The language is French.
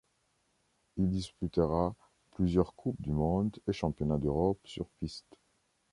Il disputera plusieurs Coupes du Monde et Championnats d'Europe sur piste.